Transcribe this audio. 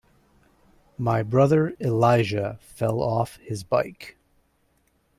My brother Elijah fell off his bike.